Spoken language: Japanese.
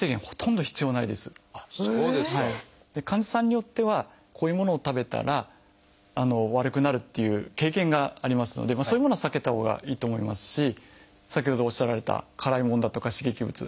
患者さんによってはこういうものを食べたら悪くなるっていう経験がありますのでそういうものは避けたほうがいいと思いますし先ほどおっしゃられた辛いものだとか刺激物。